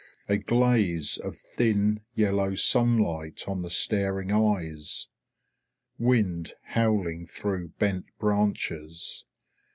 A glaze of thin yellow sunlight on the staring eyes. Wind howling through bent branches.